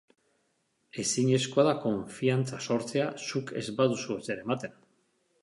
Ezinezkoa da konfiantza sortzea zuk ez baduzu ezer ematen.